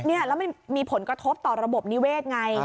แล้วมันมีผลกระทบต่อระบบนิเวศไง